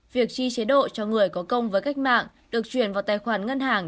việc chi chế độ cho người có công với cách mạng được chuyển vào tài khoản ngân hàng